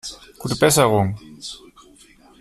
Gute Besserung!